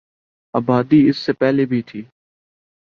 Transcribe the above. آبادی اس سے بھی پہلے تھی